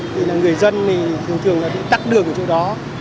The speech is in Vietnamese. thì người dân thì thường thường đặt đường ở chỗ đó